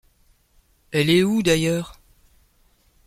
Elle est où, d’ailleurs ?